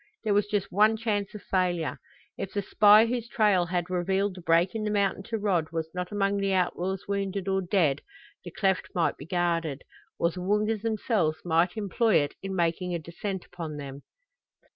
There was just one chance of failure. If the spy whose trail had revealed the break in the mountain to Rod was not among the outlaws' wounded or dead the cleft might be guarded, or the Woongas themselves might employ it in making a descent upon them.